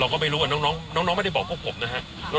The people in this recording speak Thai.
เราก็ไม่รู้น้องไม่ได้บอกพวกผมนะครับ